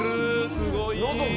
すごい。